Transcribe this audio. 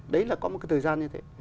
đấy là có một cái thời gian như thế